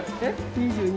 ２２。